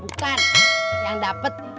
bukan yang dapat